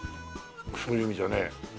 そういう意味じゃね。